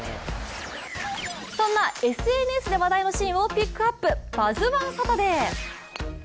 そんなＳＮＳで話題のシーンをピックアップ、「バズ☆１」サタデー。